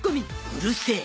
うるせえ！